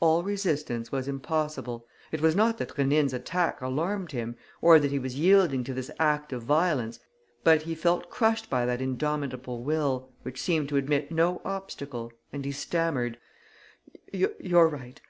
All resistance was impossible. It was not that Rénine's attack alarmed him, or that he was yielding to this act of violence, but he felt crushed by that indomitable will, which seemed to admit no obstacle, and he stammered: "You are right.